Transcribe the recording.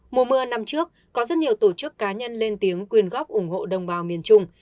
mùa mưa năm trước có rất nhiều tổ chức cá nhân lên tiếng quyên góp ủng hộ đồng bào miền trung